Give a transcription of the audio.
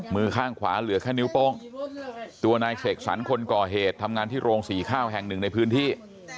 มือข้างขวาเหลือแค่นิ้วโป้งตัวนายเสกสรรคนก่อเหตุทำงานที่โรงสีข้าวแห่งหนึ่งในพื้นที่